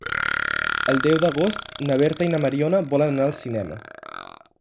El deu d'agost na Berta i na Mariona volen anar al cinema.